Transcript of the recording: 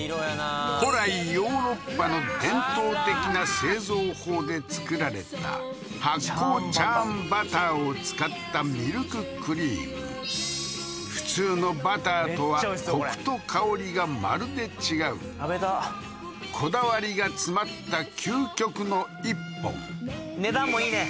古来ヨーロッパの伝統的な製造法で作られた発酵チャーンバターを使ったミルククリーム普通のバターとはコクと香りがまるで違うこだわりが詰まった究極の一本値段もいいね